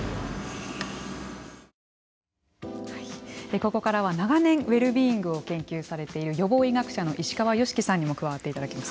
ここからは長年ウェルビーイングを研究されている予防医学者の石川善樹さんにも加わっていただきます。